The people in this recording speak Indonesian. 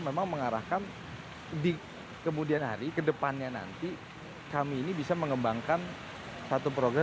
memang mengarahkan di kemudian hari kedepannya nanti kami ini bisa mengembangkan satu program